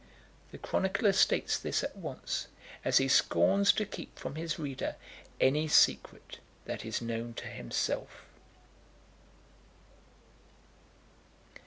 The chronicler states this at once, as he scorns to keep from his reader any secret that is known to himself.